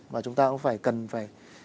và chúng ta cũng phải cần phải